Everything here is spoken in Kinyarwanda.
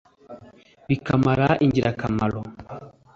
Bikamara ingirakamaro